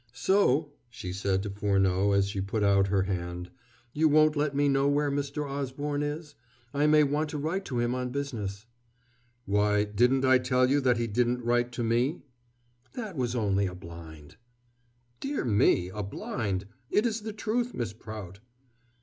"So," she said to Furneaux as she put out her hand, "you won't let me know where Mr. Osborne is? I may want to write to him on business." "Why, didn't I tell you that he didn't write to me?" "That was only a blind." "Dear me! A blind.... It is the truth, Miss Prout."